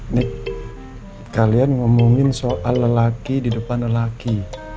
ini kalian ngomongin soal lelaki di depan lelaki